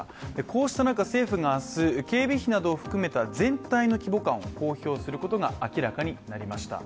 こうした中、政府が明日警備費などを含めた全体の規模感を公表することが明らかになりました。